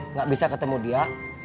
nggak bisa ketemu dia